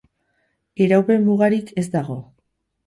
Iraupen mugarik ez dago.